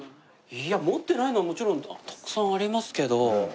いや持ってないのはもちろんたくさんありますけど。